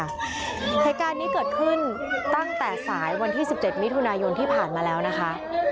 เหตุการณ์นี้เกิดขึ้นตั้งแต่สายวันที่๑๗มิถุนายนที่ผ่านมาแล้วนะคะ